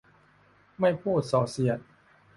ไม่พูดส่อเสียด